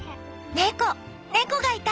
猫がいた！